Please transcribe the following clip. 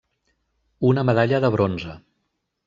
Una medalla de bronze.